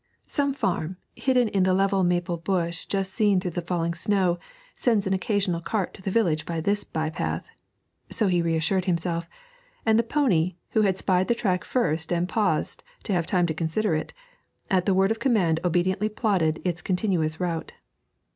'Some farm, hidden in the level maple bush just seen through the falling snow, sends an occasional cart to the village by this by path,' so he reassured himself; and the pony, who had spied the track first and paused to have time to consider it, at the word of command obediently plodded its continuous route.